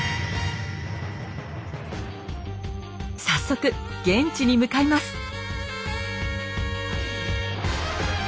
早速現地に向かいます。